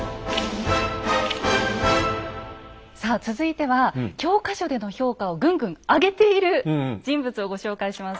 さあ続いては教科書での評価をぐんぐん上げている人物をご紹介します。